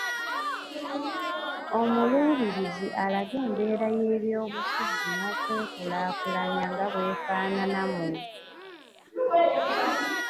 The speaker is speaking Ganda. Omuluubirizi alage embeera y’ebyobufuzi n’okwekulaakulanya nga bw’efaanana mu